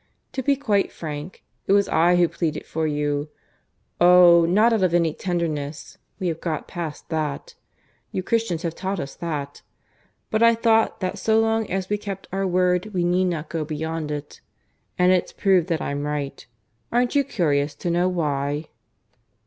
To be quite frank, it was I who pleaded for you. ... Oh! not out of any tenderness; we have got past that. You Christians have taught us that. But I thought that so long as we kept our word we need not go beyond it. And it's proved that I'm right. ... Aren't you curious to know why?"